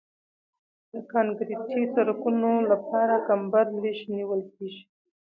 د کانکریټي سرکونو لپاره کمبر لږ نیول کیږي